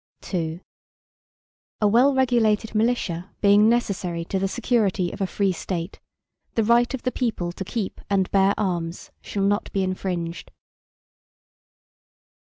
II A well regulated militia, being necessary to the security of a free State, the right of the people to keep and bear arms, shall not be infringed.